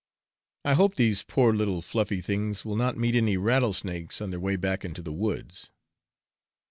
I hope these poor little fluffy things will not meet any rattlesnakes on their way back to the woods.